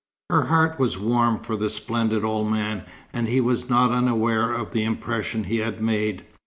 Her heart was warm for the splendid old man, and he was not unaware of the impression he had made.